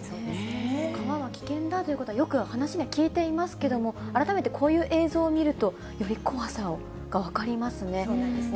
川は危険だということはよく話には聞いていますけれども、改めてこういう映像を見ると、そうなんですね。